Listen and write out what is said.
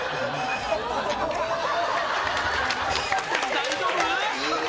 大丈夫？